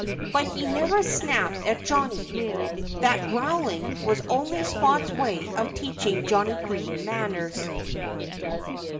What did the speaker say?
But he never snapped at Johnnie. That growling was only Spot's way of teaching Johnnie Green manners.